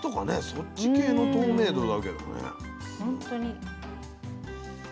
そっち系の透明度だけどね。